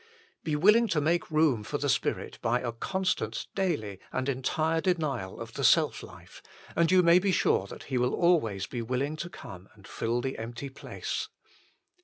Be willing to make room for the Spirit by a constant, daily, and entire denial of the self life, and you may be sure that He will always be willing to come and fill the empty HOW IT MAY BE INCREASED 113 place.